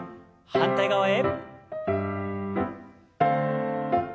反対側へ。